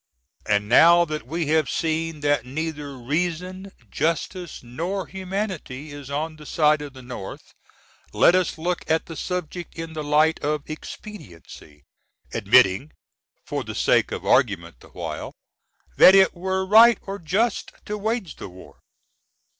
And now that we have seen that neither Reason, Justice, nor Humanity is on the side of the North, let us look at the subject in the light of Expediency, admitting, for the sake of argument the while, that it were right or just to wage the war.